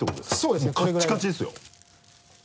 カッチカチですよ？